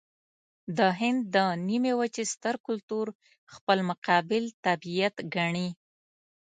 د هند د نيمې وچې ستر کلتور خپل مقابل طبیعت ګڼي.